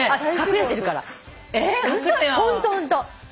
ホントホント。